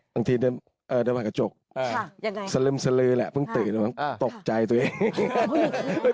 บางทีเดินผ่านกระจกสลึมสลือแหละเพิ่งตื่นตกใจตัวเอง